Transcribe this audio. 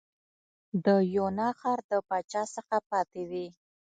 د یونا ښار د پاچا څخه پاتې وې.